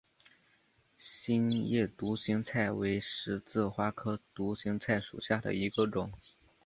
心叶独行菜为十字花科独行菜属下的一个种。